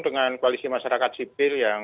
dengan koalisi masyarakat sipil yang